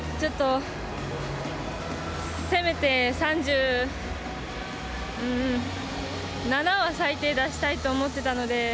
せめて３７は最低、出したいと思っていたので。